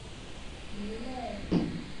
多刺腔吻鳕为长尾鳕科腔吻鳕属的鱼类。